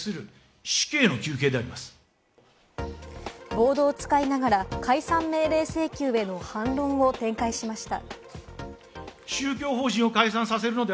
ボードを使いながら解散命令請求への反論を展開しました。